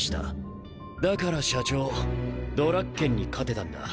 だから社長ドラッケンに勝てたんだ。